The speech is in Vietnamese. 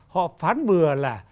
họ phán bừa là